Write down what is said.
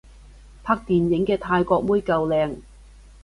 拍電影嘅泰國妹夠靚